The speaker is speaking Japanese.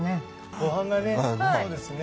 ごはんがね